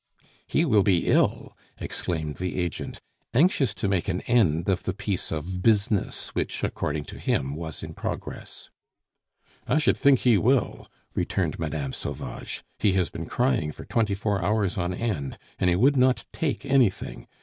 "He will be ill!" exclaimed the agent, anxious to make an end of the piece of business which, according to him, was in progress. "I should think he will!" returned Mme. Sauvage. "He has been crying for twenty four hours on end, and he would not take anything.